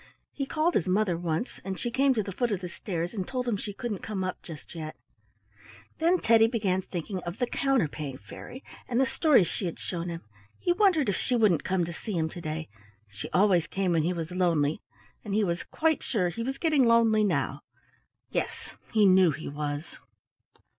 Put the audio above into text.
He called his mother once, and she came to the foot of the stairs and told him she couldn't come up just yet. Then Teddy began thinking of the Counterpane Fairy, and the stories she had shown him. He wondered if she wouldn't come to see him to day. She always came when he was lonely, and he was quite sure he was getting lonely now. Yes, he knew he was.